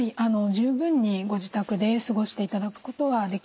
十分にご自宅で過ごしていただくことはできます。